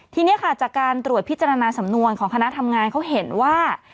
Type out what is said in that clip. ทีนี้ค่ะจากการตรวจพิจารณาสำนวนของคณะทำงานเขาเห็นว่า